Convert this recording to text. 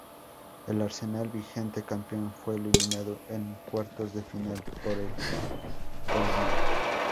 El Arsenal, vigente campeón, fue eliminado en cuartos de final por el Colonia.